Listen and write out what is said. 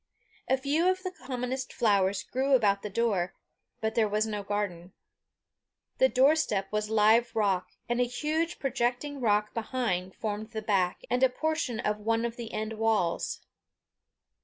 A few of the commonest flowers grew about the door, but there was no garden. The door step was live rock, and a huge projecting rock behind formed the back and a portion of one of the end walls.